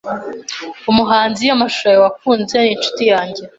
Umuhanzi, amashusho yawe wakunze, ni inshuti yanjye.